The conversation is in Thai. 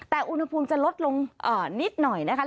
แต่อุณหภูมิจะลดลงนิดหน่อยนะคะ